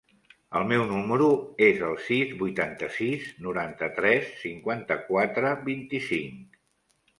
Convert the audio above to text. El meu número es el sis, vuitanta-sis, noranta-tres, cinquanta-quatre, vint-i-cinc.